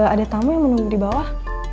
ada tamu yang menunggu di bawah